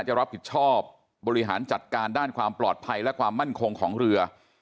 จะรับผิดชอบบริหารจัดการด้านความปลอดภัยและความมั่นคงของเรือ